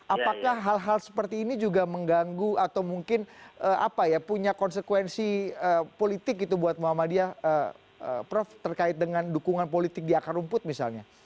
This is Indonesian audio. apakah hal hal seperti ini juga mengganggu atau mungkin punya konsekuensi politik gitu buat muhammadiyah prof terkait dengan dukungan politik di akar rumput misalnya